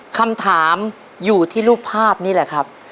คำถามอยู่ที่รูปภาพนี่แหละครับ